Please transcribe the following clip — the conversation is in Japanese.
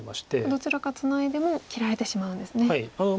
どちらかツナいでも切られてしまうんですね。